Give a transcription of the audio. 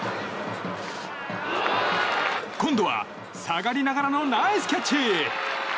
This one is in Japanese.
今度は、下がりながらのナイスキャッチ！